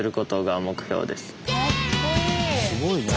すごいね。